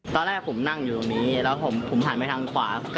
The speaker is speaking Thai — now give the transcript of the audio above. ตอนแรกผมนั่งอยู่ตรงนี้แล้วผมหันไปทางขวา